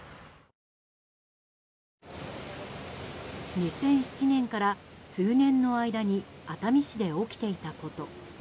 ２００７年から数年の間に熱海市で起きていたこと。